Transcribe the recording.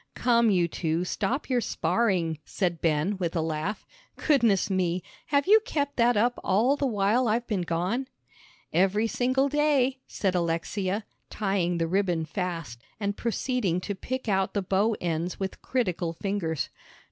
"Come, you two, stop your sparring," said Ben, with a laugh. "Goodness me, have you kept that up all the while I've been gone?" "Every single day," said Alexia, tying the ribbon fast, and proceeding to pick out the bow ends with critical fingers.